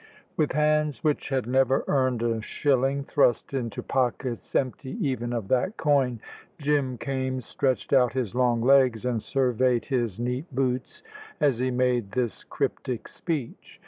With hands which had never earned a shilling thrust into pockets empty even of that coin, Jim Kaimes stretched out his long legs and surveyed his neat boots as he made this cryptic speech.